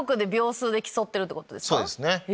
そうですね。